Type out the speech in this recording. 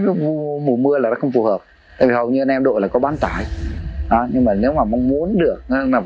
mùa mưa là nó không phù hợp thì hầu như anh em đội là có bán tải nhưng mà nếu mà muốn được nằm